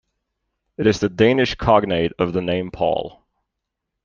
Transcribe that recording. It is the Danish cognate of the name Paul.